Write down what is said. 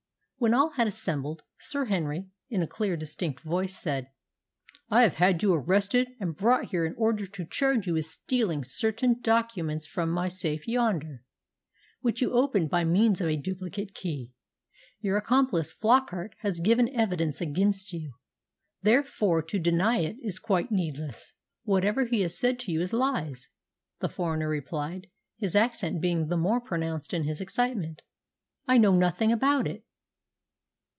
When all had assembled, Sir Henry, in a clear, distinct voice, said, "I have had you arrested and brought here in order to charge you with stealing certain documents from my safe yonder, which you opened by means of a duplicate key. Your accomplice Flockart has given evidence against you; therefore, to deny it is quite needless." "Whatever he has said to you is lies," the foreigner replied, his accent being the more pronounced in his excitement. "I know nothing about it."